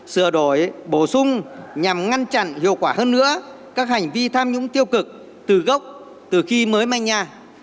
sửa đổi bổ sung nhằm ngăn chặn hiệu quả hơn nữa các hành vi tham nhũng tiêu cực từ gốc từ khi mới manh nhà